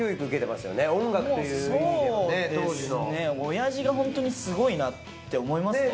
親父がホントにすごいなって思いますね。